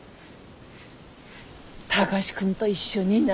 貴司君と一緒にな。